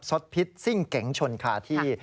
สดพิษซิ่งเก๋งชนคาที่